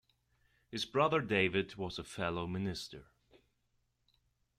His brother David was a fellow minister.